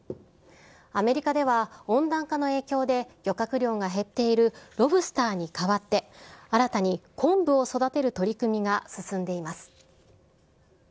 アメリカでは温暖化の影響で漁獲量が減っているロブスターに代わって、新たに昆布を育てる取り組みが進んでいます。